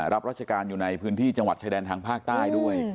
รับราชการอยู่ในพื้นที่จังหวัดชายแดนทางภาคใต้ด้วย